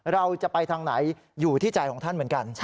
เราจะไปทางไหนอยู่ที่ใจของท่านเหมือนกัน